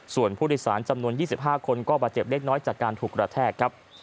ส่วนผู้โดยสารจำนวน๒๕คนก็บาดเจ็บเล็กน้อยจากการถูกกระแทกครับ